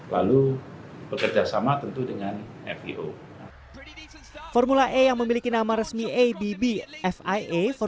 lalu bekerja sama tentu dengan fio